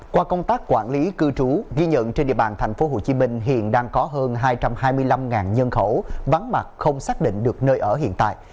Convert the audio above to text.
qua công tác quản lý cư trú ghi nhận trên địa bàn tp hcm hiện đang có hơn hai trăm hai mươi năm nhân khẩu vắng mặt không xác định được nơi ở hiện tại